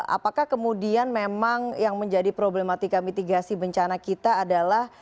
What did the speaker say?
apakah kemudian memang yang menjadi problematika mitigasi bencana kita adalah